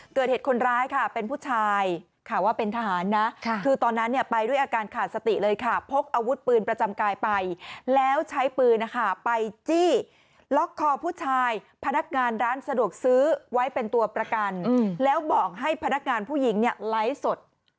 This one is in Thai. เกิดเหตุคนร้ายค่ะเป็นผู้ชายค่ะว่าเป็นทหารนะคือตอนนั้นเนี่ยไปด้วยอาการขาดสติเลยค่ะพกอาวุธปืนประจำกายไปแล้วใช้ปืนนะคะไปจี้ล็อกคอผู้ชายพนักงานร้านสะดวกซื้อไว้เป็นตัวประกันแล้วบอกให้พนักงานผู้หญิงเนี่ยไลฟ์สด